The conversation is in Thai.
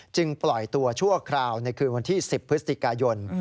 ปล่อยตัวชั่วคราวในคืนวันที่๑๐พฤศจิกายน